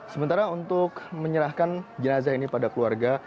sementara untuk menyerahkan jenazah ini pada keluarga